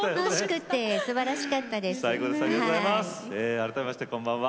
改めましてこんばんは。